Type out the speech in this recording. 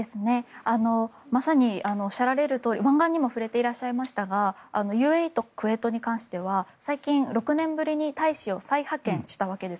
まさにおっしゃられるとおり湾岸にも触れていましたがＵＡＥとクウェートに関しては最近、６年ぶりに大使を再派遣したわけです。